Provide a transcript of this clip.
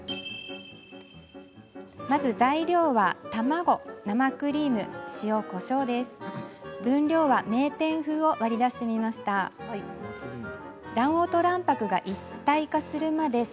まず、材料は卵、生クリーム塩、こしょうです。